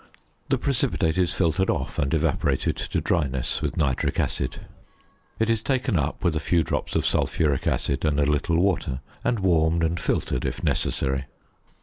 The precipitate is filtered off and evaporated to dryness with nitric acid. It is taken up with a few drops of sulphuric acid and a little water; and warmed and filtered, if necessary.